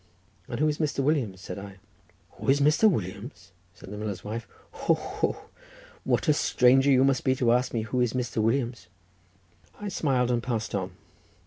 "And who is Mr. Williams?" said I. "Who is Mr. Williams?" said the miller's wife. "Ho, ho! what a stranger you must be to ask me who is Mr. Williams." I smiled and passed on.